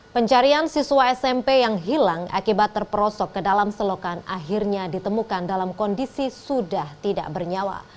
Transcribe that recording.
pencarian siswa smp yang hilang akibat terperosok ke dalam selokan akhirnya ditemukan dalam kondisi sudah tidak bernyawa